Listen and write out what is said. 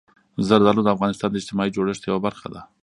زردالو د افغانستان د اجتماعي جوړښت یوه برخه ده.